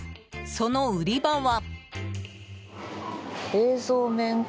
その売り場は。